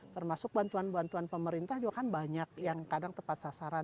termasuk bantuan bantuan pemerintah juga kan banyak yang kadang tepat sasaran